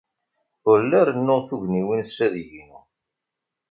Ur la rennuɣ tugniwin s adeg-inu.